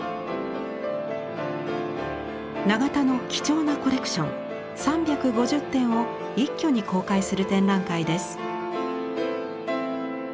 永田の貴重なコレクション３５０点を一挙に公開する展覧会です。